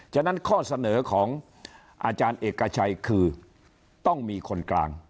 ฉะนั้นข้อเสนอของอาจารย์เอกชัยคือต้องมีคนกลาง